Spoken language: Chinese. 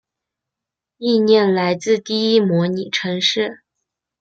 意念来自第一代模拟城市。